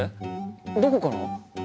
どこから？